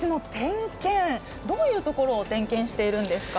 どういうところを点検しているんですか。